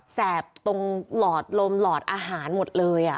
แบตรงหลอดลมหลอดอาหารหมดเลย